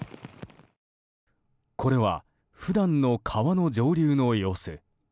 これは普段の川の上流の様子。